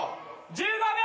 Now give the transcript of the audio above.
１５秒！